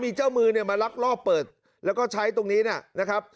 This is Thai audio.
มีเจ้ามือเนี่ยมาลักลอบเปิดแล้วก็ใช้ตรงนี้นะครับ